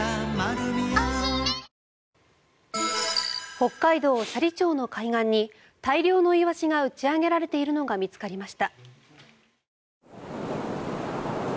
北海道斜里町の海岸に大量のイワシが打ち上げられているのが見つかりました。